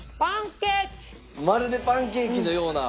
まるでパンケーキのような。